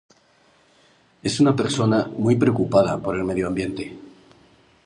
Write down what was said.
Es una persona muy preocupada por el medio ambiente.